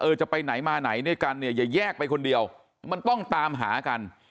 จะไปไหนมาไหนด้วยกันเนี่ยอย่าแยกไปคนเดียวมันต้องตามหากัน